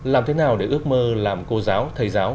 làm thế nào để ước mơ làm cô giáo thầy giáo